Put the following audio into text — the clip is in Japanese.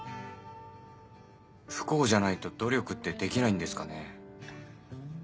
不幸じゃないと努力ってできないんですかね？